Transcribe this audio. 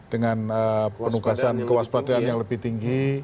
dengan penugasan kewaspadaan yang lebih tinggi